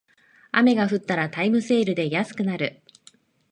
雨が降ったらタイムセールで安くなる